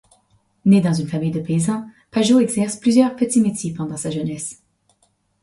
Né dans une famille de paysans, Pajot exerce plusieurs petits métiers pendant sa jeunesse.